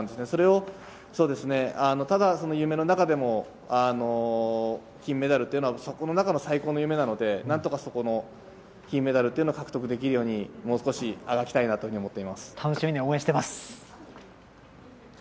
それをただ、夢の中でも金メダルというのはそこの中の最高の夢なのでなんとか金メダルというのを獲得できるようにもう少しあがきたいなというふうに思っています。